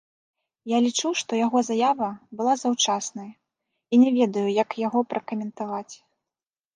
Я лічу, што яго заява была заўчаснай і не ведаю, як яго пракаментаваць.